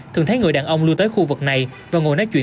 thường thấy người đàn ông lưu tới khu vực này và ngồi nói chuyện